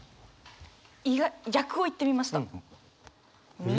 逆をいってみました。